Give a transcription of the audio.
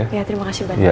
ya terima kasih banyak